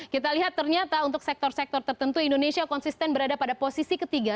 kita lihat ternyata untuk sektor sektor tertentu indonesia konsisten berada pada posisi ketiga